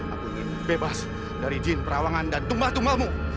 aku ingin bebas dari jin perawangan dan tumbal tumbalmu